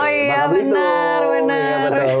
oh iya benar benar